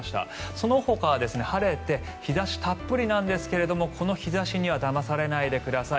そのほかは晴れて日差したっぷりなんですけどこの日差しにはだまされないでください。